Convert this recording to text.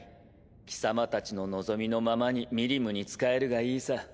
貴様たちの望みのままにミリムに仕えるがいいさ。